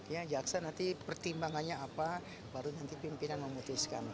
ya jaksa nanti pertimbangannya apa baru nanti pimpinan memutuskan